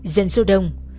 dân sâu đông